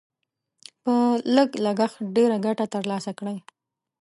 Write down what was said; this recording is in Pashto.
په لږ لګښت ډېره ګټه تر لاسه کړئ.